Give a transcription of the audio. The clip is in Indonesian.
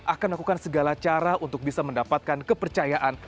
akan melakukan segala cara untuk bisa mendapatkan kepercayaan